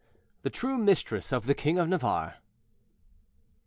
THE TRUE MISTRESS OF THE KING OF NAVARRE.